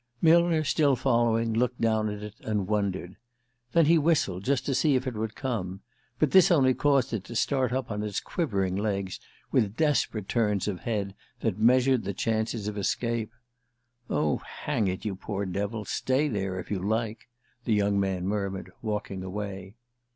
Millner, still following, looked down at it, and wondered. Then he whistled, just to see if it would come; but this only caused it to start up on its quivering legs, with desperate turns of the head that measured the chances of escape. "Oh, hang it, you poor devil, stay there if you like!" the young man murmured, walking away.